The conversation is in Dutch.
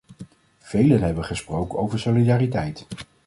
Velen hebben gesproken over solidariteit.